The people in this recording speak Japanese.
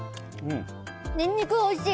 ニンニクおいしい！